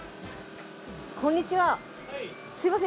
こんにちはすいません